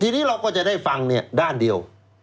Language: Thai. ทีนี้เราก็จะได้ฟังด้านเดียว